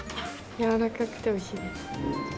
軟らかくておいしいです。